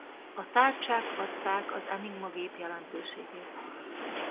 A tárcsák adták az Enigma gép jelentőségét.